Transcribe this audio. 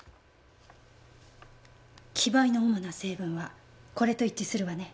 木灰の主な成分はこれと一致するわね。